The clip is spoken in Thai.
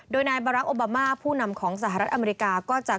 โดยนายบารักษ์โอบามาผู้นำของสหรัฐอเมริกาก็จะ